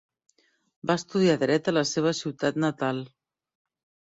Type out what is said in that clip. Va estudiar Dret a la seva ciutat natal.